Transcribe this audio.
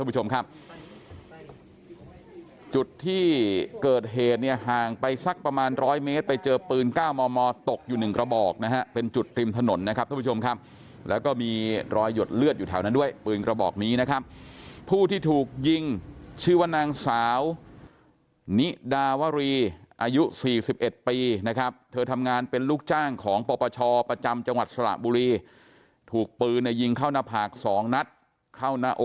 ผู้ชมครับจุดที่เกิดเหตุเนี่ยห่างไปสักประมาณร้อยเมตรไปเจอปืนเก้ามอมอตกอยู่หนึ่งกระบอกนะฮะเป็นจุดริมถนนนะครับทุกผู้ชมครับแล้วก็มีรอยหยดเลือดอยู่แถวนั้นด้วยปืนกระบอกนี้นะครับผู้ที่ถูกยิงชื่อว่านางสาวนิดาวรีอายุสี่สิบเอ็ดปีนะครับเธอทำงานเป็นลูกจ้างของปปชประจำจังหวัดสระบุรีถูกปืนในยิงเข้าหน้าผากสองนัดเข้าหน้าอ